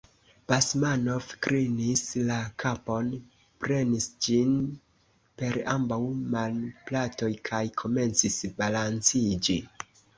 Basmanov klinis la kapon, prenis ĝin per ambaŭ manplatoj kaj komencis balanciĝi.